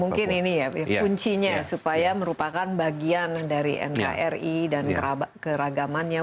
mungkin ini ya kuncinya supaya merupakan bagian dari nkri dan keragamannya